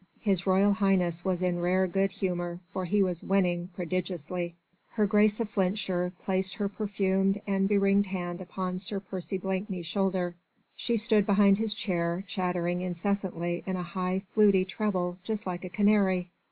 His Royal Highness was in rare good humour, for he was winning prodigiously. Her Grace of Flintshire placed her perfumed and beringed hand upon Sir Percy Blakeney's shoulder; she stood behind his chair, chattering incessantly in a high flutey treble just like a canary.